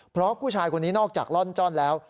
เพราะผู้ชายคนนี้นอกจากล่อนจ้อนแล้ว